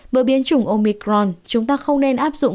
bởi biến chủng omicron chúng ta không nên áp dụng